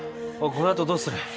このあとどうする？